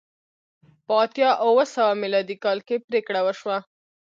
په اتیا اوه سوه میلادي کال کې پرېکړه وشوه